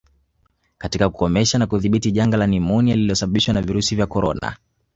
katika kukomesha na kudhibiti janga la nimonia lililosababishwa na virusi vya korona